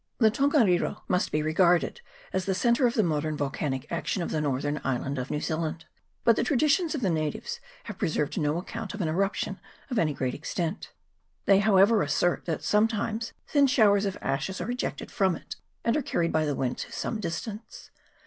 The Tongariro must be regarded as the centre of the modern volcanic action of the northern island of New Zealand ; but the traditions of the natives have preserved no account of an eruption of any great extent; they however assert that sometimes thin showers of ashes are ejected from it, and are carried by the wind to some distance.